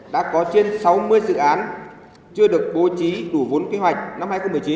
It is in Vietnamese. đã có trên sáu mươi dự án chưa được bố trí đủ vốn kế hoạch năm hai nghìn một mươi chín